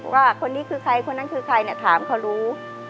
ว่าคนนี้คือใครคนนั้นคือใครเนี่ยถามเขารู้